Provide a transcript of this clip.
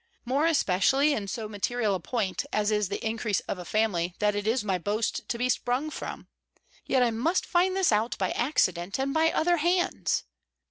more especially in so material a point as is the increase of a family that it is my boast to be sprung from. Yet I must find this out by accident, and by other hands!